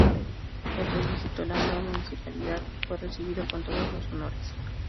El Rey visitó la nueva municipalidad y fue recibido con todos los honores.